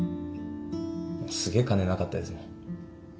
すげえ金なかったですもん。